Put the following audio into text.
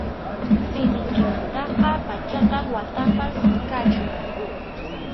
Simiykimantaqa pachak watapas kachun.